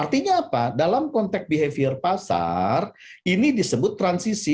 artinya apa dalam konteks behavior pasar ini disebut transisi